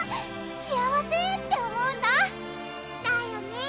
幸せって思うんだだよね！